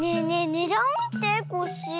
ねだんをみてコッシー。